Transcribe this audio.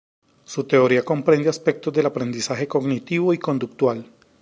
Su teoría comprende aspectos del aprendizaje cognitivo y conductual.